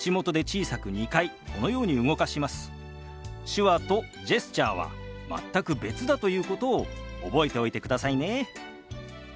手話とジェスチャーは全く別だということを覚えておいてくださいね。